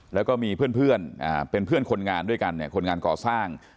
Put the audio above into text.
แล้วก็มีเพื่อนเป็นเพื่อนคนงานด้วยกันเนี่ยคนงานก่อสร้าง